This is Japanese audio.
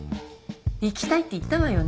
「行きたい」って言ったわよね？